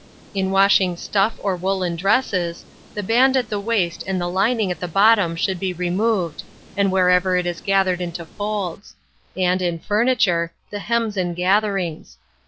In washing stuff or woollen dresses, the band at the waist and the lining at the bottom should be removed, and wherever it is gathered into folds; and, in furniture, the hems and gatherings.